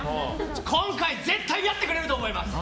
今回、絶対やってくれると思います。